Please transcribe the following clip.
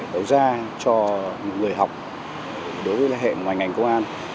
đầu ra cho người học đối với hệ ngoài ngành công an